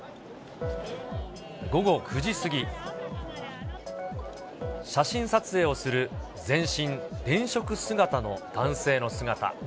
午後９時過ぎ、写真撮影をする全身電飾姿の男性の姿。